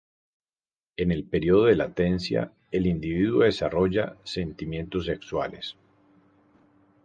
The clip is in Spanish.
En el periodo de latencia el individuo desarrolla sentimientos sexuales.